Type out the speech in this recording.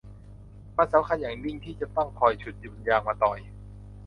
มันสำคัญอย่างยิ่งที่จะต้องคอยฉุดบนยางมะตอย